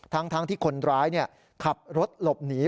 ทั้งที่คนร้ายขับรถหลบหนี